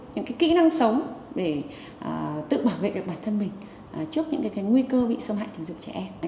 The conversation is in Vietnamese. những kỹ năng sống để tự bảo vệ được bản thân mình trước những nguy cơ bị xâm hại tình dục trẻ em